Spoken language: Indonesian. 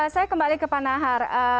saya kembali ke panahar